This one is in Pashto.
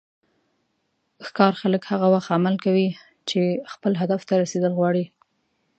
ښکار خلک هغه وخت عمل کوي کله چې خپل هدف ته رسیدل غواړي.